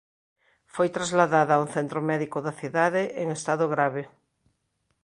Foi trasladada a un centro médico da cidade en estado grave.